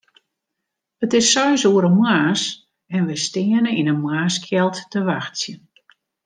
It is seis oere moarns en wy steane yn 'e moarnskjeld te wachtsjen.